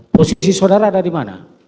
posisi saudara ada di mana